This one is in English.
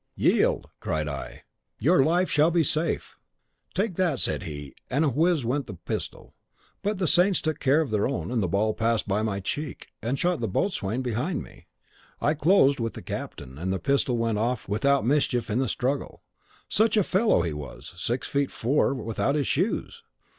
"'Yield!' cried I; 'your life shall be safe.' "'Take that,' said he, and whiz went the pistol; but the saints took care of their own, and the ball passed by my cheek, and shot the boatswain behind me. I closed with the captain, and the other pistol went off without mischief in the struggle. Such a fellow he was, six feet four without his shoes!